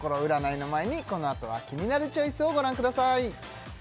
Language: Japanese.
このあとはキニナルチョイスをご覧ください